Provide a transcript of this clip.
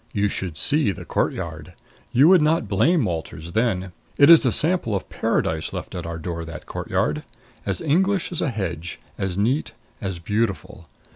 You should see the courtyard! You would not blame Walters then. It is a sample of Paradise left at our door that courtyard. As English as a hedge, as neat, as beautiful.